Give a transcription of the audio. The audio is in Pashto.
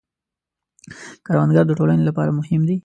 کروندګر د ټولنې لپاره مهم دی